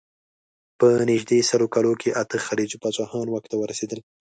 په نژدې سل کالو کې اته خلجي پاچاهان واک ته ورسېدل.